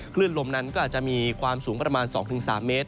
คลื่นลมนั้นก็อาจจะมีความสูงประมาณ๒๓เมตร